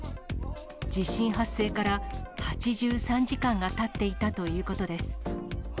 地震発生から８３時間がたっていたということです。